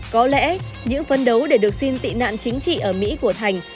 có lẽ những phấn đấu để được xin tị nạn chính trị ở mỹ của thành